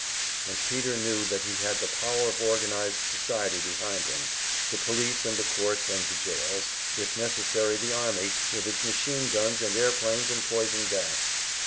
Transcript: And Peter knew that he had the power of organized society behind him, the police and the courts and the jails, if necessary the army with its machine guns and airplanes and poison gas.